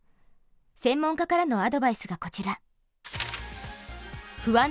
専門家からのアドバイスがこちら。